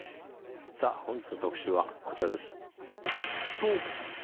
「さあ本日の特集はこちらです」